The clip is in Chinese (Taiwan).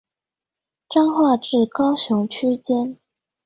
彰化至高雄區間